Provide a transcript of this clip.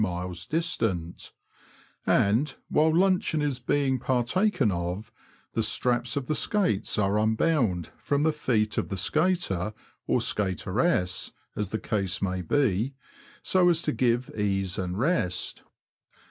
233 miles distant ; and, while luncheon is being partaken of, the straps of the skates are unbound from the feet of the skater, or " skateress," as the case may be, so as to give ease and rest.